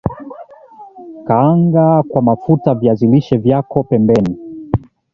kaanga kwa mafuta viazi lishe vyako pembeni